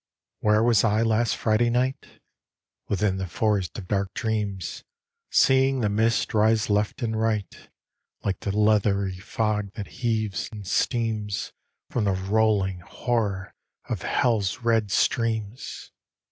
Where was I last Friday night? Within the forest of dark dreams Seeing the mists rise left and right, Like the leathery fog that heaves and steams From the rolling horror of Hell's red streams.